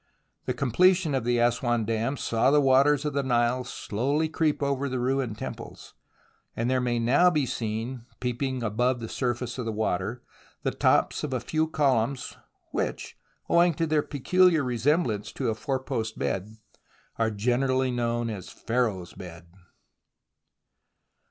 The completion of the Assouan dam saw the waters of the Nile slowly creep over the ruined temples, and there may now be seen peeping above the surface of the water the tops of a few columns which, owing to their peculiar resem blance to a fourpost bed, are generally known as Pharaoh's Bed.